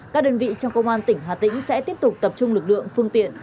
các đơn vị trong công an tỉnh hà tĩnh sẽ tiếp tục tập trung lực lượng phương tiện